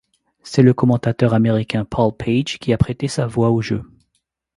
C'est le commentateur américain Paul Page qui a prêté sa voix au jeu.